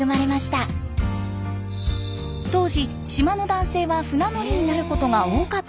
当時島の男性は船乗りになることが多かったんだそう。